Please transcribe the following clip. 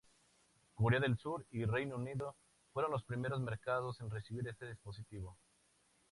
Corea del Sur y Reino Unido fueron los primeros mercados en recibir este dispositivo.